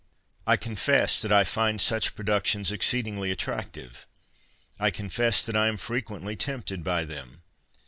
I confess that I find such productions exceedingly attractive. I confess that I am frequently tempted by them.